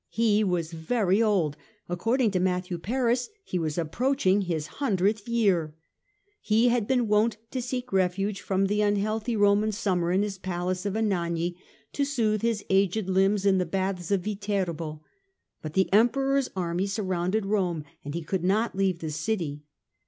He was very old : according to Matthew Paris he was approaching his hundredth year. He had been wont to seek refuge from the unhealthy Roman summer in his palace of Anagni, to soothe his aged limbs in the baths of Viterbo. But the Emperor's armies surrounded Rome and he could not leave the city.